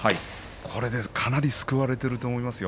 これでかなり救われていると思いますよ。